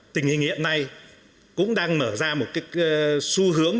tình hình hiện nay cũng đang mở ra một xu hướng